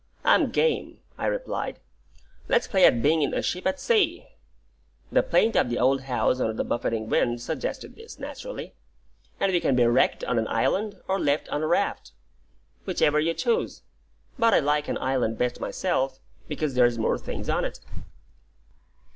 "I'm game," I replied. "Let's play at being in a ship at sea" (the plaint of the old house under the buffeting wind suggested this, naturally); "and we can be wrecked on an island, or left on a raft, whichever you choose; but I like an island best myself, because there's more things on it."